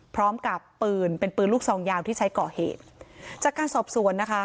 พร้อมกับปืนเป็นปืนลูกซองยาวที่ใช้ก่อเหตุจากการสอบสวนนะคะ